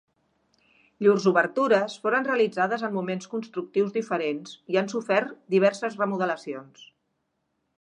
Llurs obertures foren realitzades en moments constructius diferents i han sofert diverses remodelacions.